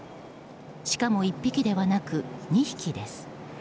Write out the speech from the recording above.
しかも１匹ではなく２匹です。